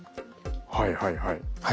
はいはいはい。